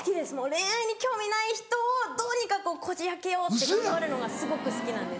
恋愛に興味ない人をどうにかこじあけようって頑張るのがすごく好きなんです。